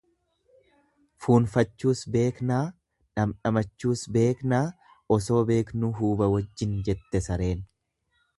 Fuunfachuus beeknaa dhandhamachuus beeknaa osoo beeknuu huuba wajjin jette sareen.